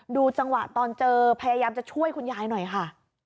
ดูจังหวะตอนเจอพยายามจะช่วยคุณยายหน่อยค่ะ